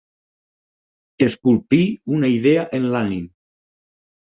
Esculpir una idea en l'ànim.